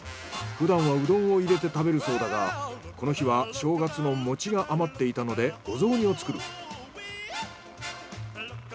ふだんはうどんを入れて食べるそうだがこの日は正月の餅が余っていたのでお雑煮を作る。